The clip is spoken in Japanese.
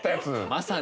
まさに。